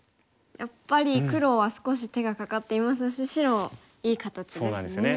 やっぱり黒は少し手がかかっていますし白いい形ですね。